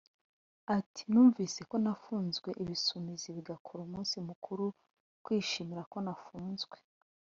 ati “Numvise ko nafunzwe Ibisumizi bigakora umunsi mukuru wo kwishimira ko nafunzwe